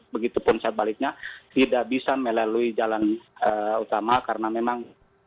begitupun sebaliknya tidak bisa melalui jalan utama karena memang